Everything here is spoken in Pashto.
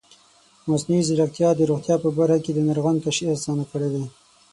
مصنوعي ځیرکتیا د روغتیا په برخه کې د ناروغانو تشخیص اسانه کړی دی.